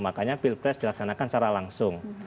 makanya pilpres dilaksanakan secara langsung